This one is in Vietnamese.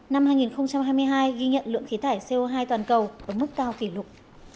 năm hai nghìn hai mươi hai ghi nhận lượng khí thải co hai toàn cầu ở mức cao kỷ lục